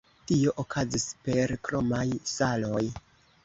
Tio okazis per kromaj saloj.